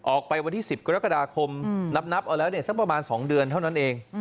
วันที่๑๐กรกฎาคมนับเอาแล้วเนี่ยสักประมาณ๒เดือนเท่านั้นเอง